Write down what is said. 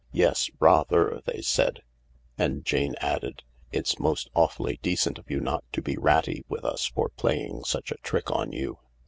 M Yes, rather !" they said ; and Jane added, " It's most awfully decent of you not to be ratty with us for playing such a trick on you."